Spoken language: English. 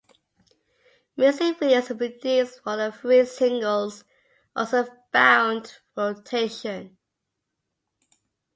Music videos produced for the three singles also found rotation.